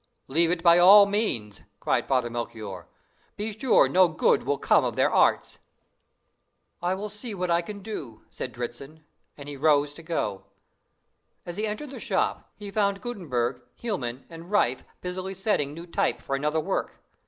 "Leave it by all means!" cried Father Melchoir; "be sure no good will come of their arts." "I will see what I can do," said Dritzhn, and he rose to go. As he entered the shop, he found Gutenberg, Hielman, and Riffe busy setting new type for another work.